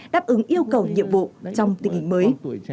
đáp ứng yêu cầu nhiệm vụ trong tình hình mới